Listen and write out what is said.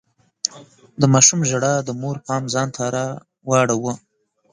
د ماشوم ژړا د مور پام ځان ته راواړاوه.